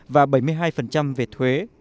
và bảy mươi hai về thuế